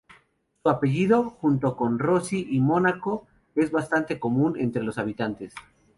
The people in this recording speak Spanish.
Su apellido, junto con Rossi y Mónaco, es bastante común entre los habitantes.